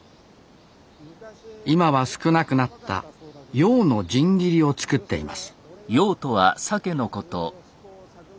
今は少なくなった鮭の新切りを作っています